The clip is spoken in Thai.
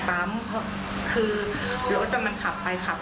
มันรถมันย้อนกลับไปอีก